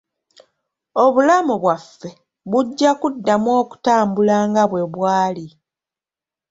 Obulamu bwaffe bujjakuddamu okutambula nga bwe bwali.